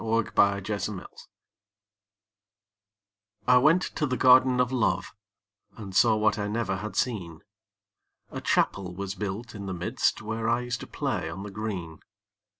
THE GARDEN OF LOVE I went to the Garden of Love, And saw what I never had seen; A Chapel was built in the midst, Where I used to play on the green.